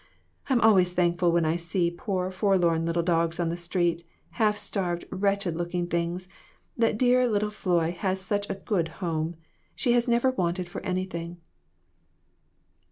I am always thankful when I see poor, forlorn little dogs on the street, half starved and wretched looking, that dear little Floy has such a good home. She has never wanted for anything."